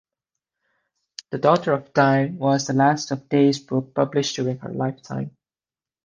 "The Daughter of Time" was the last of Tey's books published during her lifetime.